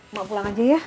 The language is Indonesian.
mak pulang aja ya